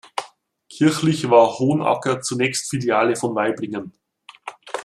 Kirchlich war Hohenacker zunächst Filiale von Waiblingen.